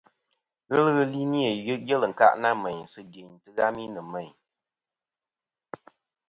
Ghelɨ ghɨ li nɨn yelɨ ɨ̀nkâʼ nâ mèyn sɨ dyeyn tɨghami nɨ̀ mêyn.